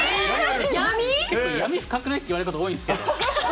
闇深くない？って言われること多いんですけど。